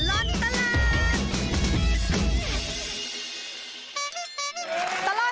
ชั่วตลอดตลาด